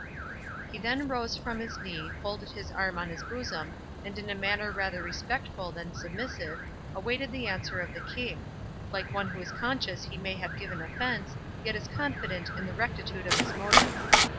He then rose from his knee, folded his arm on his bosom, and in a manner rather respectful than submissive, awaited the answer of the King,—like one who is conscious he may have given offence, yet is confident in the rectitude of his motive.